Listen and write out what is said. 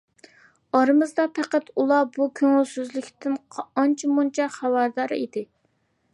ئارىمىزدا پەقەت ئۇلا بۇ كۆڭۈلسىزلىكتىن ئانچە مۇنچە خەۋەردار ئىدى.